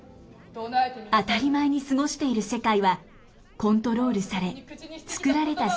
当たり前に過ごしている世界はコントロールされつくられた世界だったのです。